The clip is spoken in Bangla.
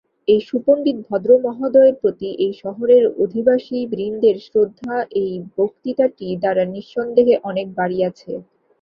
এই সুপণ্ডিত ভদ্রমহোদয়ের প্রতি এই শহরের অধিবাসীবৃন্দের শ্রদ্ধা এই বক্তৃতাটি দ্বারা নিঃসন্দেহে অনেক বাড়িয়াছে।